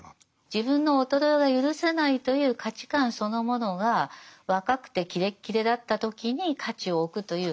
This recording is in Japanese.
自分の衰えは許せないという価値観そのものが若くてキレッキレだった時に価値を置くという評価軸ですよね。